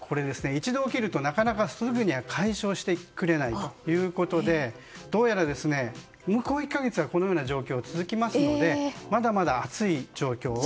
一度起きるとなかなかすぐに解消してくれないということでどうやら、向こう１か月はこのような状況、続きますのでまだまだ暑い状況は。